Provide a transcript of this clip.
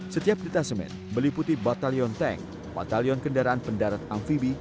setiap detasemen meliputi batalion tank batalion kendaraan pendarat amfibi